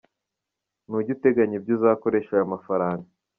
Ntujya uteganya ibyo uzakoresha ayo mafaranga.